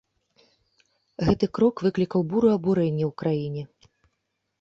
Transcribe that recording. Гэты крок выклікаў буру абурэння ў краіне.